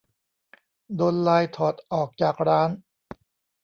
โดนไลน์ถอดออกจากร้าน